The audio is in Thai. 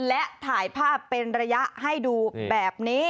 และถ่ายภาพเป็นระยะให้ดูแบบนี้